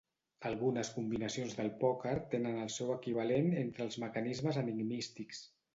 Algunes combinacions del pòquer tenen el seu equivalent entre els mecanismes enigmístics.